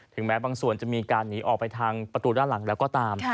แม้บางส่วนจะมีการหนีออกไปทางประตูด้านหลังแล้วก็ตาม